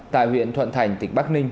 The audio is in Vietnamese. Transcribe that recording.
tại huyện thuận thành tỉnh bắc ninh